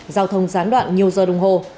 giao thông gián đoạn nhiều giờ đồng hồ